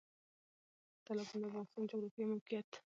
تالابونه د افغانستان د جغرافیایي موقیعت یو نتیجه ده.